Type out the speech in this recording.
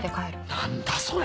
何だそれ。